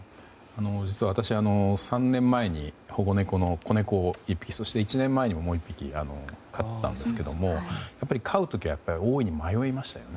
実は私３年前に保護猫の子猫を１匹１年前にももう１匹、飼ったんですけれども飼う時は大いに迷いましたよね。